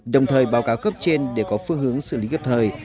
đồng thời báo cáo cấp trên để có phương hướng xử lý kịp thời